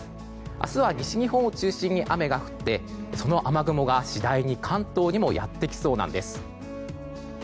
明日は西日本を中心に雨が降ってその雨雲が次第に関東にもやってきそうなんです。